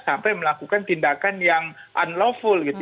sampai melakukan tindakan yang unlawful gitu